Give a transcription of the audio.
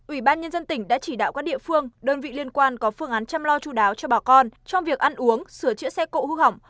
ủy ban nhân dân tỉnh đã chỉ đạo các địa phương đơn vị liên quan có phương án chăm lo chú đáo cho bà con trong việc ăn uống sửa chữa xe cộ hư hỏng